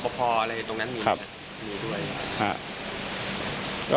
พออะไรตรงนั้นมีไหมครับมีด้วยนะครับครับ